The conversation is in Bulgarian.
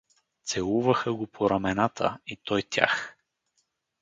Целуваха го по рамената, и той тях.